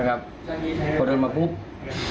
ผมก็รู้ว่าผมเมาผมก็เลยเดินออกมาจากการใช่ไหมครับ